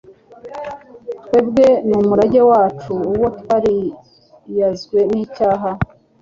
twebwe n'umurage wacu uwo twariyazwe n'icyaha,